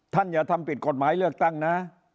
อย่าทำผิดกฎหมายเลือกตั้งนะ